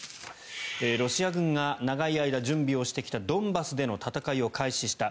ロシア軍が長い間準備をしてきたドンバスでの戦いを開始した。